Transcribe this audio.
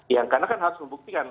ya karena kan harus membuktikan